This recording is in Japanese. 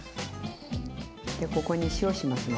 でここに塩しますね。